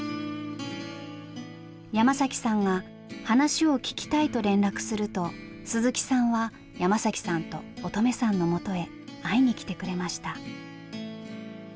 山さんが話を聞きたいと連絡すると鈴木さんは山さんと音十愛さんの元へ会いに来てくれました。